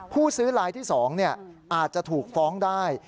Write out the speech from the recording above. ผู้ซื้อลายที่๒อาจจะถูกฟ้องได้